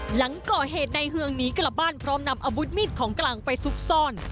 หลังก่อเหตุในเฮืองหนีกลับบ้านพร้อมนำอาวุธมีดของกลางไปซุกซ่อน